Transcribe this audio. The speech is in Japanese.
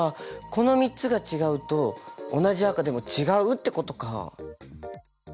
この３つが違うと同じ赤でも違うってことか。